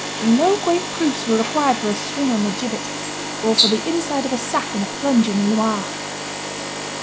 No great proofs were required for a swing on the gibbet, or for the inside of a sack and a plunge in the Loire.